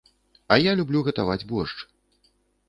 А я люблю гатаваць боршч.